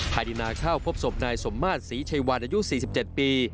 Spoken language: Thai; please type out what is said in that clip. ภายในนาข้าวพบศพนายสมมาตรศรีชัยวันอายุ๔๗ปี